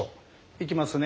いきますね。